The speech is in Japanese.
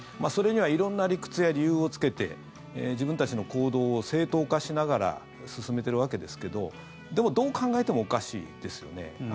それには色んな理屈や理由をつけて自分たちの行動を正当化しながら進めているわけですけどでも、どう考えてもおかしいですよね。